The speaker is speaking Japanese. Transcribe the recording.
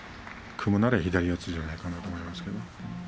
組むなら左四つじゃないかなと。